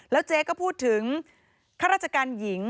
แล้วเจ๊ก็พูดถึงข้าราชการหญิง